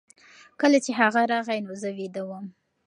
کله چې هغه راغی نو زه ویده وم.